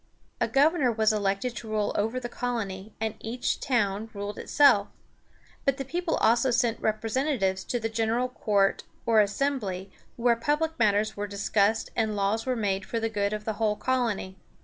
A governor was elected to rule over the colony, and each town ruled itself. But the people also sent representatives to the General Court, or Assembly, where public matters were discussed and laws were made for the good of the whole colony.